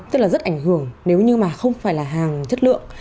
tức là rất ảnh hưởng nếu như mà không phải là hàng chất lượng